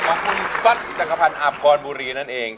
ขอบคุณบัตฐ์จังหภัณฑ์อาพวานมูลรีนั่นเอง